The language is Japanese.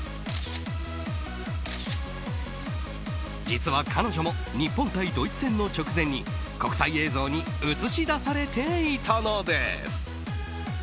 実は、彼女も日本対ドイツ戦の直前に国際映像に映し出されていたのです。